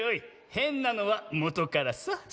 へんなのはもとからさ。